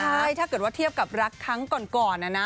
ใช่ถ้าเกิดว่าเทียบกับรักครั้งก่อนนะนะ